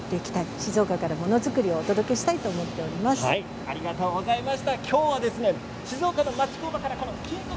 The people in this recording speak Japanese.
静岡からものづくりをお届けしたいと思っております。